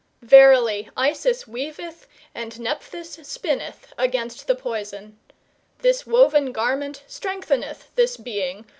Verily Isis weaveth and Nephthys spinneth against the poison. This woven garment strengtheneth this [being, i.